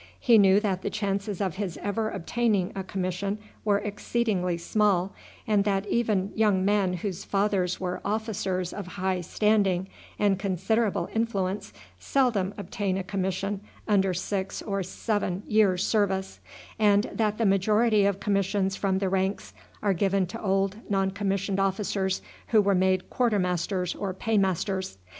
He knew that the chances of his ever obtaining a commission were exceedingly small, and that even young men whose fathers were officers of high standing and considerable influence seldom obtain a commission under six or seven years' service, and that the majority of commissions from the ranks are given to old non commissioned officers who were made quarter masters or pay masters.